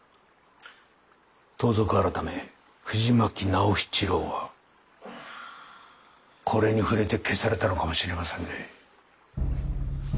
盗賊改藤巻直七郎はこれに触れて消されたのかもしれませんね。